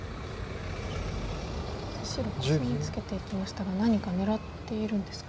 さあ白コスミツケていきましたが何か狙っているんですか？